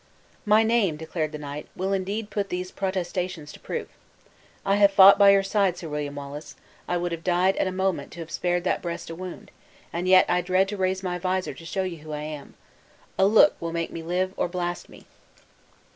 "My name," declared the knight, "will indeed put these protestations to the proof. I have fought by your side, Sir William Wallace; I would have died at any moment to have spared that breast a wound, and yet I dread to raise my visor to show you who I am. A look will make me live or blast me."